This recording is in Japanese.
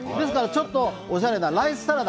ちょっとおしゃれなライスサラダ